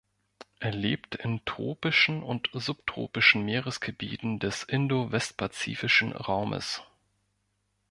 Er lebt in tropischen und subtropischen Meeresgebieten des indo-westpazifischen Raumes.